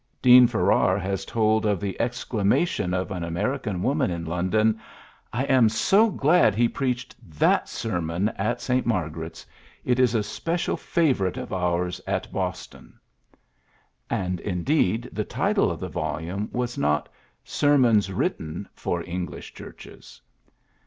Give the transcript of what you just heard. Dean Farrar has told of the exclamation of an American woman in London :'^ I am so glad he preached that sermon at St. Mar garet's. It is a special favorite of ours PHILLIPS BEOOKS 85 at Boston. '' And, indeed, the title of the volume was not Sermons xoritten for Eng lish Churches.